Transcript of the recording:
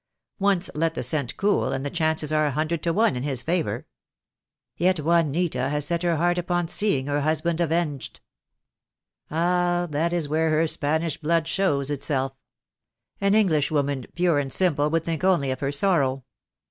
Once let the scent cool and the chances are a hundred to one in his favour." "Yet Juanita has set her heart upon seeing her hus band avenged." "Ah! that is where her Spanish blood shows itself. An Englishwoman, pure and simple, would think only of her sorrow.